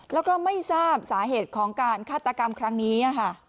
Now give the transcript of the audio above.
แล้วก็ไม่ทราบสาเหตุของการฆาตกรรมครั้งนี้